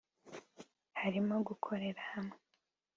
harimo gukorera hamwe